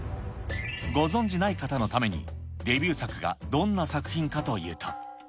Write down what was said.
ご存じない方のために、デビュー作がどんな作品かというと。